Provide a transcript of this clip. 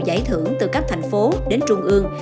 giải thưởng từ các thành phố đến trung ương